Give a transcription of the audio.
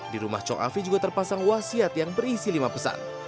di rumah chok afi juga terpasang wasiat yang berisi lima pesan